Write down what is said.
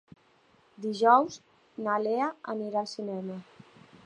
Dijous na Lea anirà al cinema.